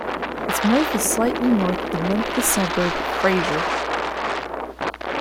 Its mouth is slightly north of the Memphis suburb of Frayser.